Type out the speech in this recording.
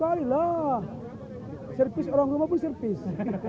berarti sekali lah servis orang rumah pun servis